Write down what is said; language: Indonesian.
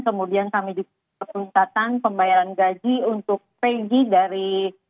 kemudian kami juga penuntasan pembayaran gaji untuk pegi dari